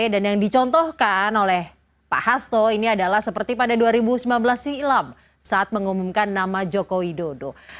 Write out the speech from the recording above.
dan yang dicontohkan oleh pak haslo ini adalah seperti pada dua ribu sembilan belas silam saat mengumumkan nama joko widodo